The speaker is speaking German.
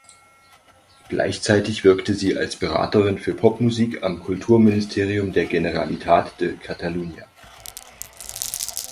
Gleichzeitig wirkte sie als Beraterin für Popmusik am Kulturministerium der Generalitat de Catalunya.